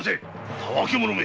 たわけ者め！